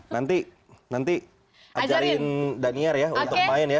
nanti nanti ajarin danier ya untuk main ya